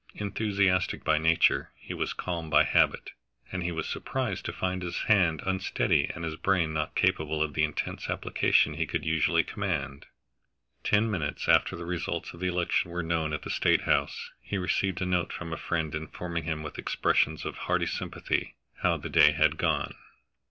Enthusiastic by nature, he was calm by habit, and he was surprised to find his hand unsteady and his brain not capable of the intense application he could usually command. Ten minutes after the results of the election were known at the State House, he received a note from a friend informing him with expressions of hearty sympathy how the day had gone.